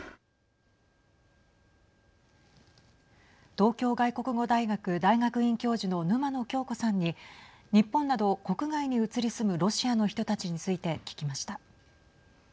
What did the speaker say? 東京外国語大学大学院教授の沼野恭子さんに日本など国外に移り住むロシアの人たちについて聞きました。